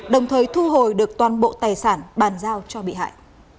đồng thời thu hồi được toàn bộ tài sản bàn giao cho bị hại